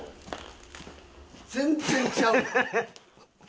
全然ちゃう。